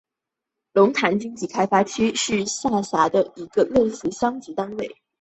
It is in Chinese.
龙潭经济开发区是下辖的一个类似乡级单位。